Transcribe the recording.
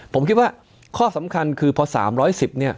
ผมคิดว่าข้อสำคัญคือพอ๓๑๐เนี่ย